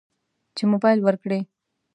چې موبایل ورکړي.